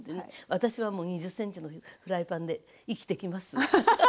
私はもう２０ｃｍのフライパンで生きてきます。